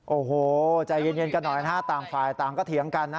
โอ้โหใจเย็นกันหน่อยนะฮะต่างฝ่ายต่างก็เถียงกันนะ